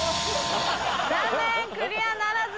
残念クリアならずです。